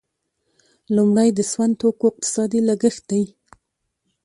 لومړی د سون توکو اقتصادي لګښت دی.